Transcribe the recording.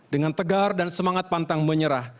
dengan tegar dan semangat pantang menyerah